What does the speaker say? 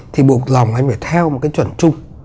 thì buộc lòng anh phải theo một cái chuẩn chung